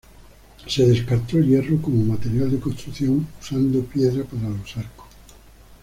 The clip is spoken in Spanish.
Se descartó el hierro como material de construcción usando piedra para los arcos.